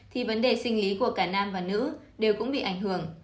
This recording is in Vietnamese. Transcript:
thì vấn đề sinh lý của cả nam và nữ đều cũng bị ảnh hưởng